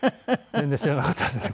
全然知らなかったですね